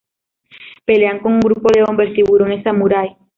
Pelean con un grupo de hombres tiburones samurái.